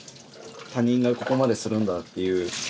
他人がここまでするんだっていう。